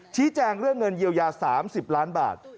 ชี้แจงเรื่องเงินเยียวยา๓๐ล้านบาท